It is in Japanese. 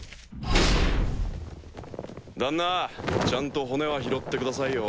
旦那ちゃんと骨は拾ってくださいよ。